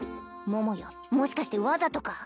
桃よもしかしてわざとか？